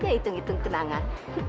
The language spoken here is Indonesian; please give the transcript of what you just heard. ya hitung hitung kenangan